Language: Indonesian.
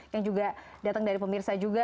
yang juga datang dari pemirsa juga